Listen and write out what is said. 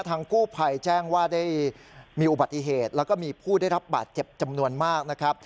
ทางกู้ภัยแจ้งว่าได้มีอุบัติเหตุแล้วก็มีผู้ได้รับบาดเจ็บจำนวนมากนะครับ